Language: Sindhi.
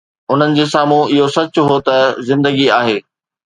انهن جي سامهون اهو سچ هو ته زندگي آهي.